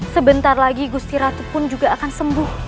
sebentar lagi gusti ratu pun juga akan sembuh